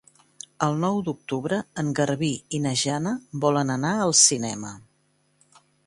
El nou d'octubre en Garbí i na Jana volen anar al cinema.